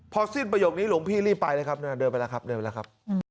พอสิ้นประโยคนี้หลวงพี่รีบไปเลยครับเดินไปแล้วครับ